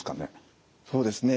そうですね